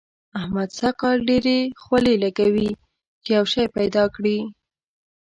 احمد سږ کال ډېرې خولې لګوي چي يو شی پيدا کړي.